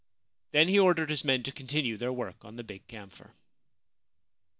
Then he ordered his men to continue their work on the big camphor.